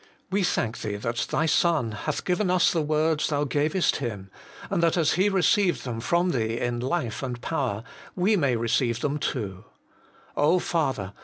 We thank Thee that Thy Son hath given us the words Thou gavest Him, and that as He received them from Thee in life and power, we may receive them too. Father